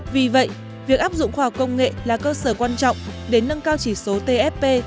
vì vậy việc áp dụng khoa học công nghệ là cơ sở quan trọng để nâng cao chỉ số tfp